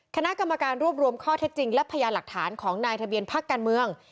คณะกรรมการรวบรวมข้อเท็จจริงและพยานหลักฐานของนายทะเบียนพักการเมือง